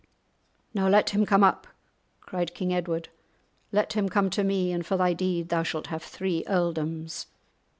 "Now let him up," cried King Edward, "let him come to me, and for thy deed thou shalt have three earldoms."